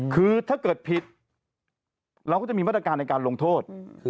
คือถ้าเกิดผิดเราก็จะมีมาตรการในการลงโทษ